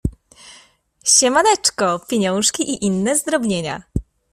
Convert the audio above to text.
Siemaneczko, pieniążki i inne zdrobnienia.